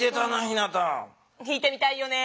ひいてみたいよね。